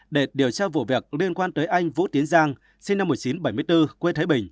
để điều tra vụ việc liên quan tới anh vũ tiến giang sinh năm một nghìn chín trăm bảy mươi bốn quê thái bình